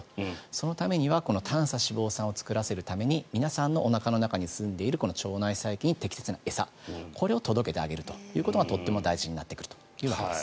そのためにはこの短鎖脂肪酸を作らせるために皆さんのおなかの中にすんでいる腸内細菌に適切な餌を届けることがとても大事になってくるということです。